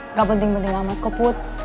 nggak penting penting amat kok put